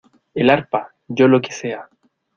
el arpa, yo lo que sea.